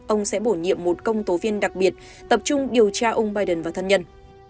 ông sẽ bổ nhiệm một công tố viên đặc biệt tập trung điều tra ông biden và thân nhân